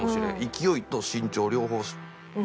勢いと慎重両方。